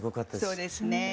そうですね。